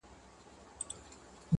o عِلم حاصلېږي مدرسو او مکتبونو کي,